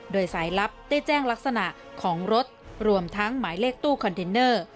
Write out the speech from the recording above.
โดยสายลับได้แจ้งลักษณะของรถรวมทั้งหมายเลขตู้คอนเทนเนอร์